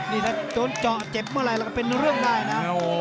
นี่ถ้าโดนเจาะเจ็บเมื่อไหร่แล้วก็เป็นเรื่องได้นะ